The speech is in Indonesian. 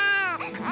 udah aja sayang